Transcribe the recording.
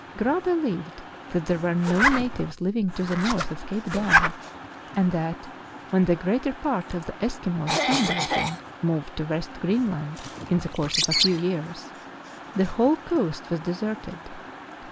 " Graah believed that there were no natives living to the north of Cape Dan, and that, when the greater part of the Eskimos seen by him moved to West Greenland, in the course of a few years, the whole coast was de serted.